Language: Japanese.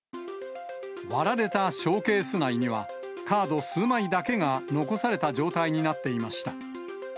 割られたショーケース内には、カード数枚だけが残された状態になっていました。